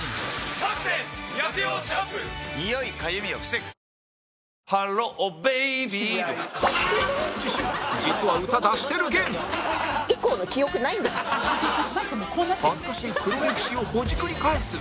恥ずかしい黒歴史をほじくり返す！